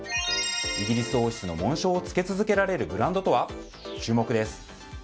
イギリス王室の紋章を付け続けられるブランドとは？